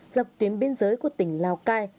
dọc tuyến biên giới của tỉnh lào cai